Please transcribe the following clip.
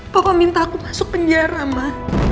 papa minta aku masuk penjara ma